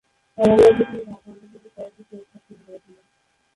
পরের বছর তিনি ঢাকা আন্তর্জাতিক চলচ্চিত্র উৎসব শুরু করেছিলেন।